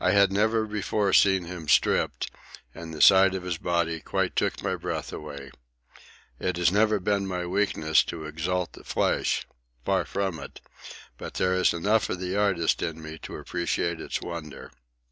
I had never before seen him stripped, and the sight of his body quite took my breath away. It has never been my weakness to exalt the flesh—far from it; but there is enough of the artist in me to appreciate its wonder.